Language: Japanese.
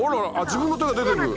自分の手が出てる！